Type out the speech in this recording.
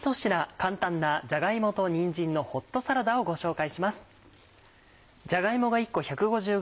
簡単なじゃが芋とにんじんのホットサラダをご紹介します。